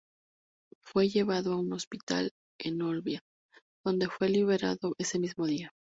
Fue llevado a un hospital en Olbia, donde fue liberado ese mismo día.